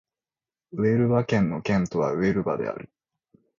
ウエルバ県の県都はウエルバである